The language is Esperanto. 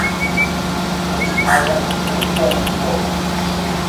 Mi havas ĝojigan informon.